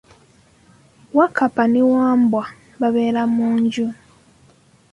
Wakkapa ne Wambwa babeera mu nju.